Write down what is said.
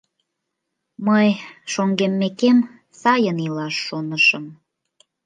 Мый, шоҥгеммекем, сайын илаш шонышым.